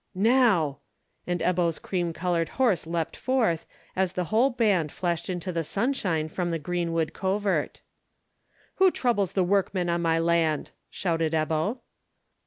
"Now!" and Ebbo's cream coloured horse leapt forth, as the whole band flashed into the sunshine from the greenwood covert. "Who troubles the workmen on my land?" shouted Ebbo.